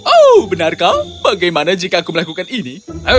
oh benarkah bagaimana jika aku melakukan ini